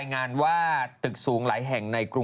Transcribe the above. สนับสนุนโดยดีที่สุดคือการให้ไม่สิ้นสุด